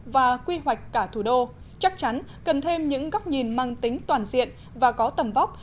và quy hoạch cả thủ đô chắc chắn cần thêm những góc nhìn mang tính toàn diện và có tầm vóc